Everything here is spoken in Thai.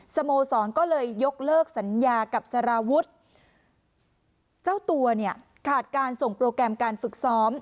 สโมสรก็เลยยกเลิกสัญญากับสารวุฒิเจ้าตัวเนี่ยขาดการส่งโปรแกรมการฝึกซ้อม